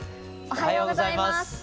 おはようございます。